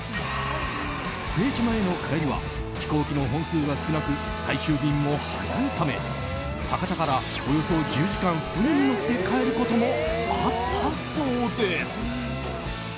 福江島への帰りは飛行機の本数が少なく最終便も早いため博多から、およそ１０時間船に乗って帰ることもあったそうです。